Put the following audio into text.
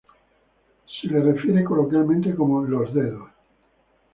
Se lo refiere coloquialmente como "Los dedos".